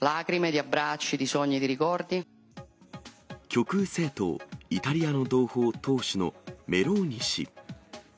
極右政党、イタリアの同胞党首のメローニ氏。